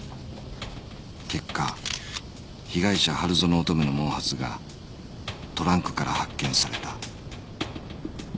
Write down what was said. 結果被害者春薗乙女の毛髪がトランクから発見された